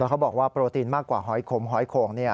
เขาบอกว่าโปรตีนมากกว่าหอยขมหอยโข่ง